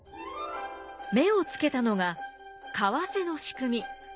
目をつけたのが為替の仕組み。